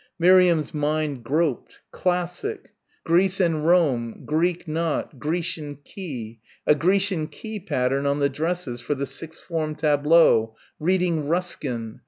Miriam's mind groped ... classic Greece and Rome Greek knot.... Grecian key ... a Grecian key pattern on the dresses for the sixth form tableau reading Ruskin